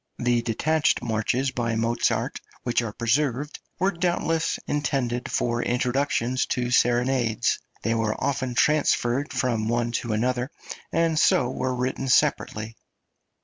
The detached marches by Mozart which are preserved were doubtless intended for introductions to serenades; they were often transferred from one to another, and so were written separately.